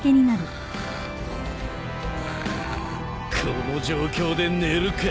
この状況で寝るか。